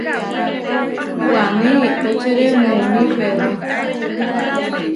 Waní iʼtóčere muuní Pedró.